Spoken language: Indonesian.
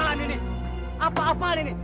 ini nih apa apaan ini